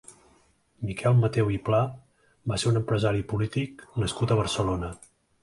Miquel Mateu i Pla va ser un empresari i polític nascut a Barcelona.